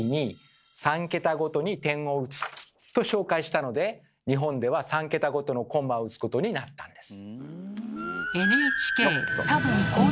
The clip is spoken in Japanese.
そこでこの福沢諭吉が日本では３桁ごとのコンマを打つことになったんです。